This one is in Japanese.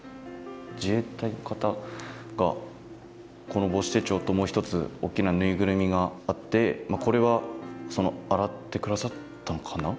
この母子手帳ともう一つ大きなぬいぐるみがあってこれは洗って下さったのかな。